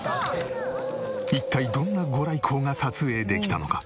一体どんな御来光が撮影できたのか？